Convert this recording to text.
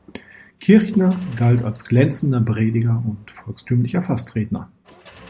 Kirchner galt als glänzender Prediger und volkstümlicher Festredner.